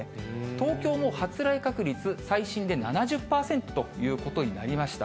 東京の発雷確率、最新で７０％ということになりました。